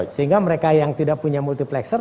sehingga mereka yang tidak punya multiplexer